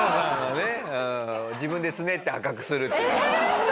自分でつねって赤くするっていう。